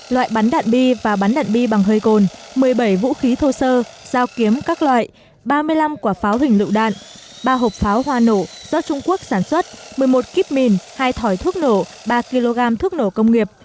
loại bắn đạn bi và bắn đạn bi bằng hơi cồn một mươi bảy vũ khí thô sơ dao kiếm các loại ba mươi năm quả pháo hình lựu đạn ba hộp pháo hoa nổ do trung quốc sản xuất một mươi một kíp mìn hai thỏi thuốc nổ ba kg thuốc nổ công nghiệp